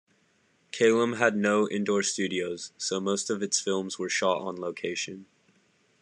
Kalem had no indoor studios, so most of its films were shot on location.